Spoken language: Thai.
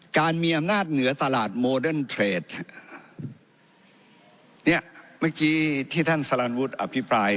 การมีอำนาจเหนือตลาดโมเดิร์นเทรดเนี่ยเมื่อกี้ที่ท่านสลันวุฒิอภิปราย